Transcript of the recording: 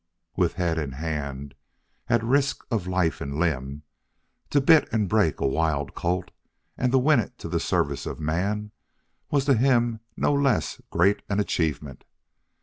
With head and hand, at risk of life and limb, to bit and break a wild colt and win it to the service of man, was to him no less great an achievement.